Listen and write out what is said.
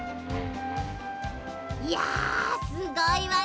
いやすごいわね。